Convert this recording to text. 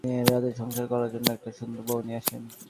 এখন তার সংসার করার জন্য একটা সুন্দর বউ নিয়ে আসেন।